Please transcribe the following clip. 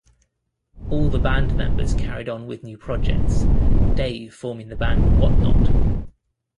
All the band members carried on with new projects: Dave forming the band Wotnot!